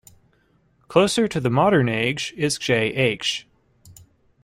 Closer to the modern age is J.-H.